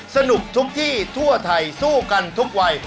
สนุกทุกที่ทั่วไทยสู้กันทุกวัย